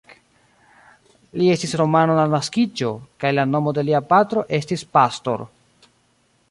Li estis romano laŭ naskiĝo, kaj la nomo de lia patro estis Pastor.